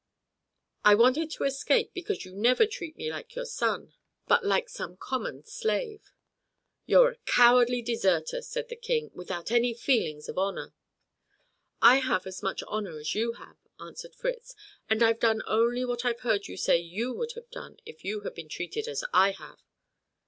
"I wanted to escape because you never treat me like your son, but like some common slave." "You're a cowardly deserter," said the King, "without any feelings of honor." "I have as much honor as you have," answered Fritz, "and I've done only what I've heard you say you would have done if you had been treated as I have."